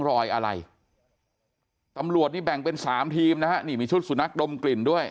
รอยอะไรตำรวจนี่แบ่งเป็นสามทีมนะฮะนี่มีชุดสุนัขดมกลิ่นด้วย